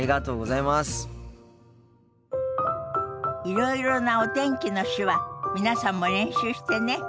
いろいろなお天気の手話皆さんも練習してね。